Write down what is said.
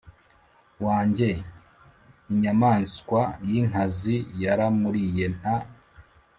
Wanjye inyamaswa y inkazi yaramuriye nta